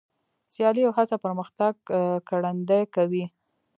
سیالي او هڅه پرمختګ ګړندی کوي.